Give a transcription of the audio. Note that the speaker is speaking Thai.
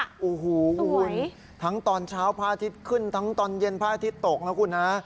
โอ้โหคุณทั้งตอนเช้าพระอาทิตย์ขึ้นทั้งตอนเย็นพระอาทิตย์ตกนะคุณนะ